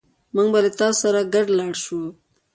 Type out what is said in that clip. موږ به له تاسو سره ګډ لاړ شو